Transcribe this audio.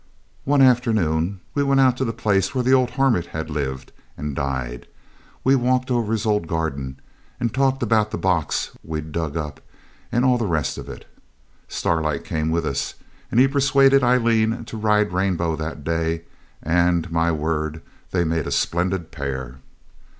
One afternoon we went out to the place where the old hermit had lived and died. We walked over his old garden, and talked about the box we'd dug up, and all the rest of it. Starlight came with us, and he persuaded Aileen to ride Rainbow that day, and, my word, they made a splendid pair.